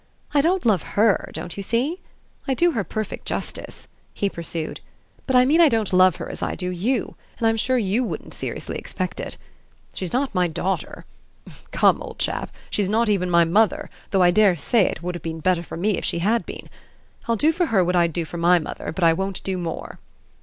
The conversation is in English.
I don't love HER, don't you see? I do her perfect justice," he pursued, "but I mean I don't love her as I do you, and I'm sure you wouldn't seriously expect it. She's not my daughter come, old chap! She's not even my mother, though I dare say it would have been better for me if she had been. I'll do for her what I'd do for my mother, but I won't do more."